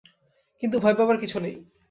কিন্তু ভয় পাবার কিছু নেই।